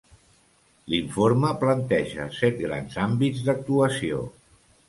L'informe planteja set grans àmbits d'actuació.